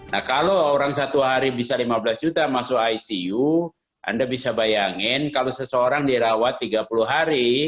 nah kalau orang satu hari bisa lima belas juta masuk icu anda bisa bayangin kalau seseorang dirawat tiga puluh hari